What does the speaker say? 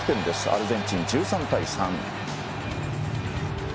アルゼンチン１３対３。